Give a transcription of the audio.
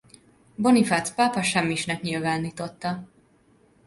Bonifác pápa semmisnek nyilvánította.